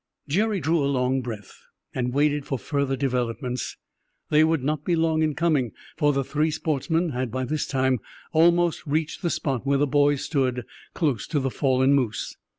Jerry drew a long breath, and waited for further developments. They would not be long in coming, for the three sportsmen had by this time almost reached the spot where the boys stood, close to the fallen moose.